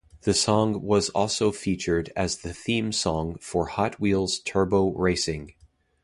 The song was also featured as the theme song for "Hot Wheels Turbo Racing".